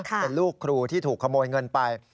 เป็นลูกครูที่ถูกขโมยเงินไป